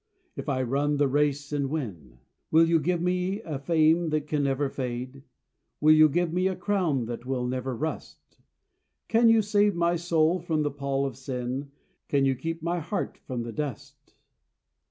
If I run in the race and win? Will you give me a fame that can never fade, Will you give me a crown that will never rust, Can you save my soul from the pall of sin, Can you keep my heart from the dust?